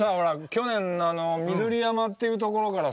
去年の緑山っていうところからさ。